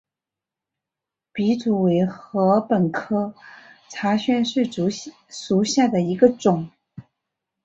笔竹为禾本科茶秆竹属下的一个种。